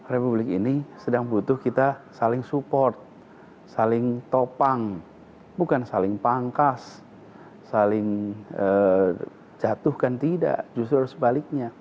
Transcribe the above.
republik ini sedang butuh kita saling support saling topang bukan saling pangkas saling jatuhkan tidak justru harus sebaliknya